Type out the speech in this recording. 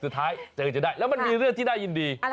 สุดท้ายเจออะไรจะได้แล้วมันมีเรื่องที่ได้ยินดี